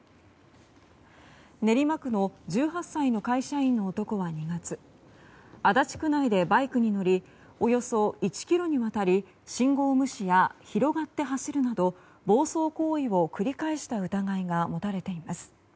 練馬区の１８歳の会社員の男は、２月足立区内でバイクに乗りおよそ１ｋｍにわたり信号無視や、広がって走るなど暴走行為を繰り返した疑いが持たれています。